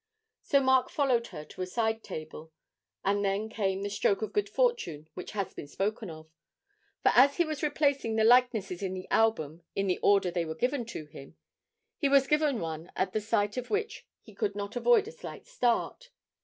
So Mark followed her to a side table, and then came the stroke of good fortune which has been spoken of; for, as he was replacing the likenesses in the albums in the order they were given to him, he was given one at the sight of which he could not avoid a slight start.